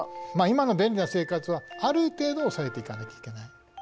今の便利な生活はある程度抑えていかなきゃいけない。